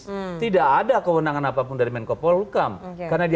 untuk itu enggak ada kewenangan apapun dari